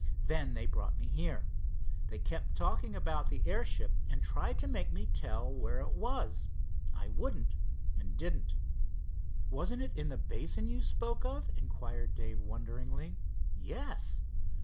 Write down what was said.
Then they brought me here. They kept talking about the airship, and tried to make me tell where it was. I wouldn't, and didn't." "Wasn't it in the basin you spoke of?" inquired Dave wonderingly. "Yes."